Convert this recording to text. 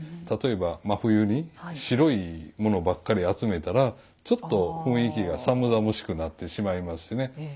例えば真冬に白いものばっかり集めたらちょっと雰囲気が寒々しくなってしまいますしね。